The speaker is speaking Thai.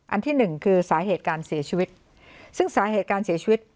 อันที่หนึ่งคือสาเหตุการเสียชีวิตซึ่งสาเหตุการเสียชีวิต